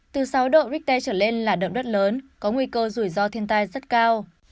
từ sáu độ richter trở lên là động đất lớn có nguy cơ rủi ro thiên tai rất cao